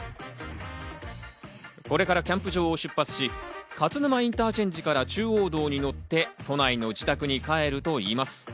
これからキャンプ場を出発し、勝沼インターチェンジから中央道に乗って、都内の自宅に帰るといいます。